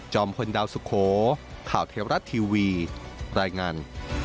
พลดาวสุโขข่าวเทวรัฐทีวีรายงาน